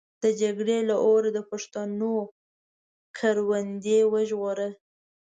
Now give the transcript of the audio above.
د جګړې له اوره د پښتنو کروندې وژغوره.